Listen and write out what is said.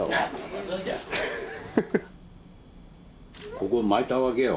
ここまいたわけよ。